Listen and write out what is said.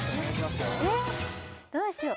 えっどうしよう？